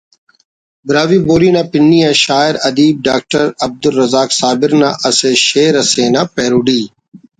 براہوئی بولی نا پنی آ شاعر ادیب ڈاکٹر عبدالرزاق صابر نا اسہ شئیر اسینا پیروڈی